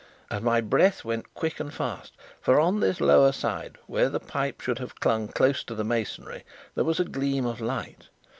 And my breath went quick and fast, for on this lower side, where the pipe should have clung close to the masonry, there was a gleam of light!